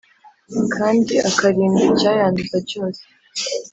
kandi akarindwa icyayanduza cyose